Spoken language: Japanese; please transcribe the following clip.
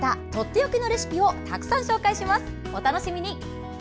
お楽しみに。